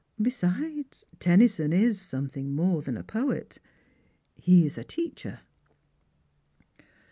Besides, Tennyson is something more than a poet. He is a teacher."